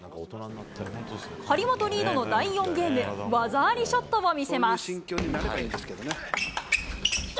張本リードの第４ゲーム、技ありショットを見せます。